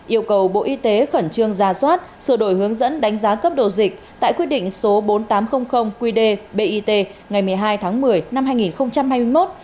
yêu cầu bộ y tế khẩn trương ra soát sửa đổi hướng dẫn đánh giá cấp độ dịch tại quyết định số bốn nghìn tám trăm linh qd bit ngày một mươi hai tháng một mươi năm hai nghìn hai mươi một